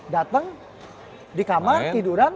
dateng di kamar tiduran